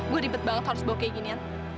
gue ribet banget harus bawa kayak ginian